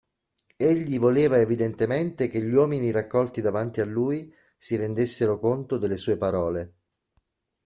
Egli voleva evidentemente che gli uomini raccolti davanti a lui si rendessero conto delle sue parole.